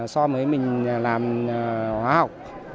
so với mình làm hóa học